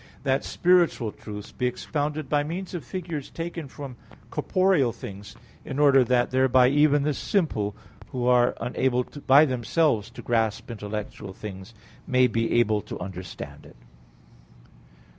1:14) that spiritual truths be expounded by means of figures taken from corporeal things, in order that thereby even the simple who are unable by themselves to grasp intellectual things may be able to understand it.